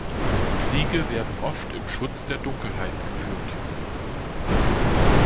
Kriege werden oft im Schutz der Dunkelheit geführt.